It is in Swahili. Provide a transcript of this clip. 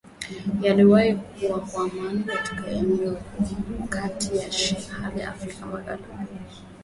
Yaliwahi kuwa na amani katika eneo la kati Sahel huko Afrika magharibi.